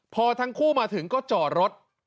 พอทั้งคู่มาถึงก็จอดรถ